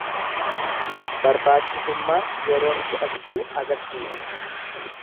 Barbaachisummaa yeroon to'achuu argisiisa.